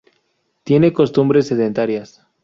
Tiene costumbres sedentarias.